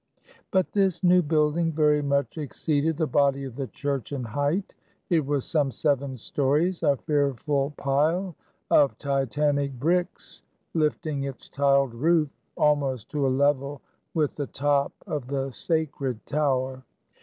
But this new building very much exceeded the body of the church in height. It was some seven stories; a fearful pile of Titanic bricks, lifting its tiled roof almost to a level with the top of the sacred tower.